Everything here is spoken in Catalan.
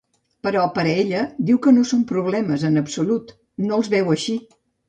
Però per a ella, diu que no són problemes en absolut, no els veu així.